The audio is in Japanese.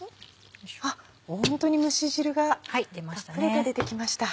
ホントに蒸し汁がたっぷりと出てきました。